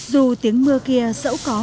dù tiếng mưa kia sẫu có